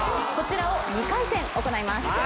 こちらを２回戦行います。